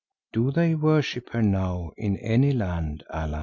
Do they worship her now in any land, Allan?"